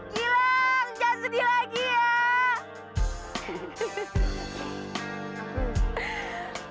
gilang jangan sedih lagi ya